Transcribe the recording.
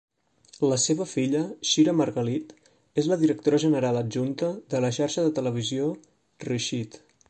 La seva filla, Shira Margalit, és la directora general adjunta de la xarxa de televisió Reshet.